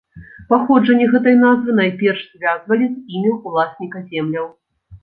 Паходжанне гэтай назвы найперш звязвалі з імем уласніка земляў.